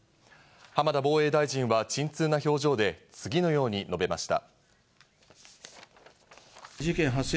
浜田防衛大臣は沈痛な表情で次のように述べました。